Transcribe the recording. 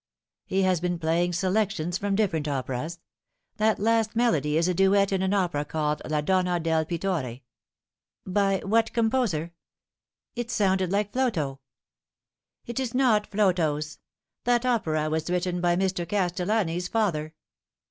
" He has been playing selections from different operas. That last melody is a duet in an opera called La Donna del Pittore" " r " By what composer ? It sounded like Flotow." " It is not Flotow's. That opera was written by Mr. Castel lani's father."